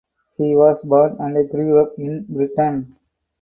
He was born and grew up in Britain.